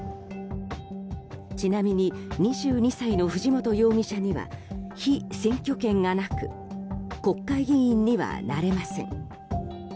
ちなみに２２歳の藤本容疑者には被選挙権がなく国会議員にはなれません。